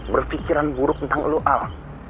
berfikiran buruk tentang lo al